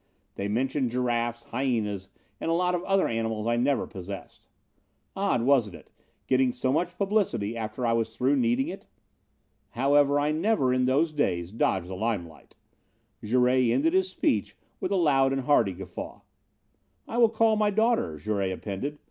They mentioned giraffes, hyenas, and a lot of other animals I never possessed. Odd, wasn't it, getting so much publicity after I was through needing it? However I never, in those days, dodged the limelight." Jouret ended his speech with a loud and hearty guffaw. "I will call my daughter," Jouret appended.